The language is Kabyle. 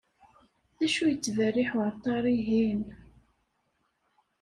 D acu yettberriḥ uɛeṭṭar-ihin?